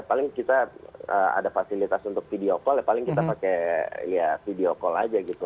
paling kita ada fasilitas untuk video call ya paling kita pakai ya video call aja gitu